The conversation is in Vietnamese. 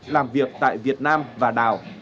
làm việc tại việt nam và lào